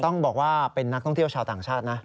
ต้องบอกว่าเป็นนักท่องเที่ยวชาวต่างชาตินะ